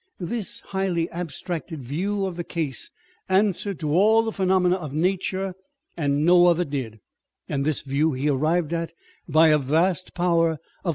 This highly abstracted view of the case answered to all the phenomena of nature, and no other did ; and this view he arrived at by a vast power of com 504 On Depth and Superficiality.